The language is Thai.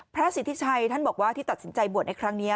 พระสิทธิชัยท่านบอกว่าที่ตัดสินใจบวชในครั้งนี้